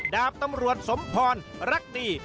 ดาบตำรวจสมพรรักดี